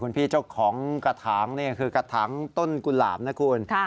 คุณพี่เจ้าของกระถังนี่คือกระถังต้นกุ่นหลามนะครับคุณค่ะค่ะ